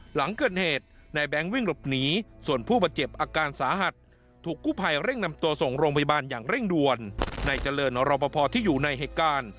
หลังเกิดเหตุนายแบงค์วิ่งหลบหนีส่วนผู้บาดเจ็บอาการสาหัสถูกกู้ภัยเร่งนำตัวส่งโรงพยาบาลอย่างเร่งด่วนในเจริญรอปภที่อยู่ในเหตุการณ์